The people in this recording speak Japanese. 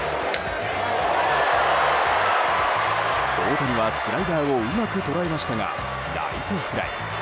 大谷はスライダーをうまく捉えましたがライトフライ。